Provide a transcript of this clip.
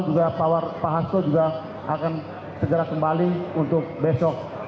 juga pak hasto juga akan segera kembali untuk besok